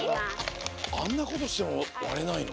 あんなことしてもわれないの？